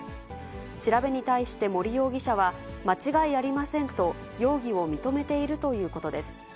調べに対して森容疑者は、間違いありませんと、容疑を認めているということです。